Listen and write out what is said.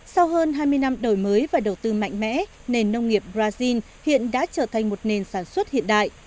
sau hơn hai mươi năm đổi mới và đầu tư mạnh mẽ nền nông nghiệp brazil hiện đã trở thành một nền sản xuất hiện đại